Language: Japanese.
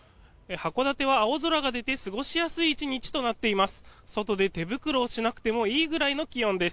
函館は青空が出て過ごしやすい１日となっています。